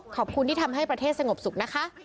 ขอบคุณที่ทำให้ประเทศสงบสุขนะคะ